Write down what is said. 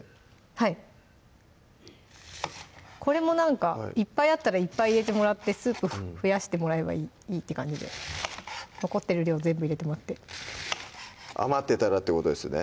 はいこれもなんかいっぱいあったらいっぱい入れてもらってスープ増やしてもらえばいいって感じで残ってる量全部入れてもらって余ってたらってことですね？